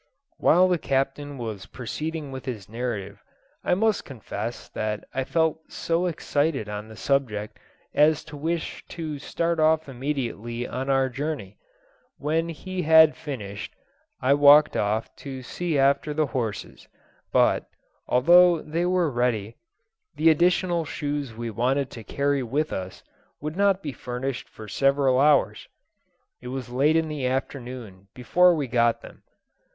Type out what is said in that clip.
While the Captain was proceeding with his narrative, I must confess that I felt so excited on the subject as to wish to start off immediately on our journey. When he had finished, I walked off to see after the horses, but, although they were ready, the additional shoes we wanted to carry with us would not be furnished for several hours; it was late in the afternoon before we got them.